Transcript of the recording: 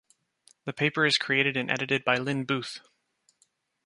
The paper is created and edited by Lynn Buth.